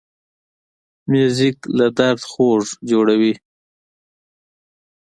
موزیک له درد خوږ جوړوي.